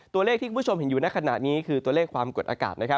ตัวเลขที่คุณผู้ชมเห็นอยู่ในขณะนี้คือตัวเลขความกดอากาศ